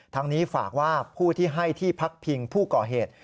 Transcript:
ทั้งนี้ฝากว่าผู้ที่ให้ที่พักพิงผู้ก่อเหตุ